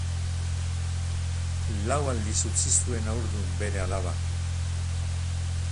Lau aldiz utzi zuen haurdun bere alaba.